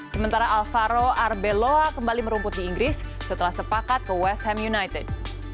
sementara alvaro arbeloa kembali merumput di inggris setelah sepakat ke west ham united